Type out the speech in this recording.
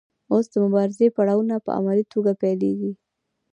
اوس د مبارزې پړاوونه په عملي توګه پیلیږي.